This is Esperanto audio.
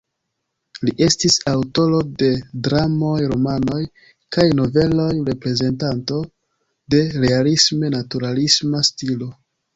Li estis aŭtoro de dramoj, romanoj kaj noveloj, reprezentanto de realisme-naturalisma stilo.